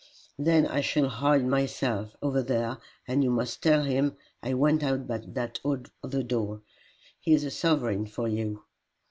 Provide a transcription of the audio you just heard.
"Then I shall hide myself, over there, and you must tell him I went out by that other door. Here's a sovereign for you."